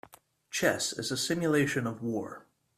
Chess is a simulation of war.